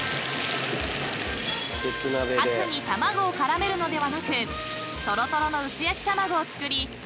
［カツに卵を絡めるのではなくとろとろの薄焼き卵を作り